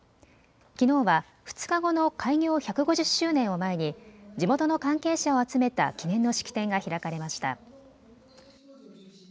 きのうは２日後の開業１５０周年を前に地元の関係者を集めた記念の式典が開かれました。